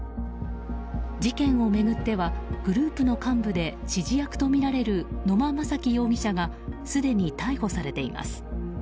事件を巡ってはグループの幹部で指示役とみられる野間正記容疑者がすでに逮捕されています。